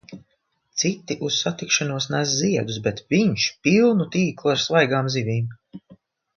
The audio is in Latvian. Citi uz satikšanos nes ziedus, bet viņš pilnu tīklu ar svaigām zivīm.